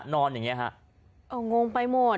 นอนอย่างเงี้ฮะเอองงไปหมด